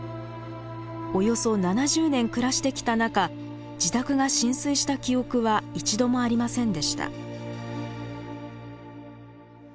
およそ７０年暮らしてきた中自宅が浸水した記憶は一度もありませんでした。